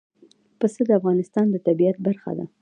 پسه د افغانستان د طبیعت برخه ده.